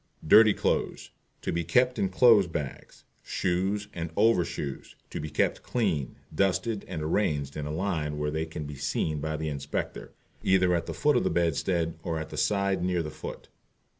Dirty Clothes To be kept in clothes bag. Shoes and Over Shoes To be kept clean, dusted, and arranged in a line where they can be seen by the Inspector, either at the foot of the bedstead or at the side near the foot.